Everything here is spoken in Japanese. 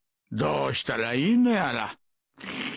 どうしたらいいのやら